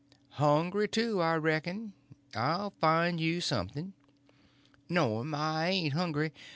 "Hungry, too, I reckon. I'll find you something." "No'm, I ain't hungry.